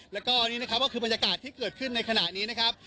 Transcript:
แล้วก็นี่นะครับก็คือบรรยากาศที่เกิดขึ้นในขณะนี้นะครับ